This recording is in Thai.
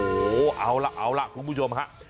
โอ้โหเอาล่ะเอาล่ะคุณผู้ชมฮะ